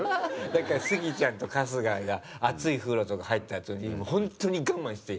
だからスギちゃんと春日が熱い風呂とか入ったあとに本当に我慢して。